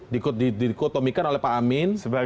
dikotomikan oleh pak amin